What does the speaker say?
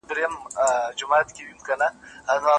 مړ چي دي رقیب وینم، خوار چي محتسب وینم